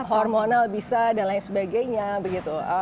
hormonal bisa dan lain sebagainya begitu